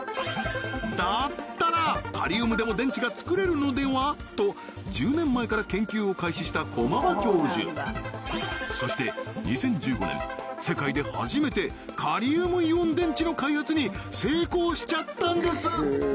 だったらカリウムでも電池がつくれるのでは？と１０年前から研究を開始した駒場教授そして２０１５年世界で初めてカリウムイオン電池の開発に成功しちゃったんです！